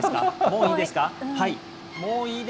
もういいですか？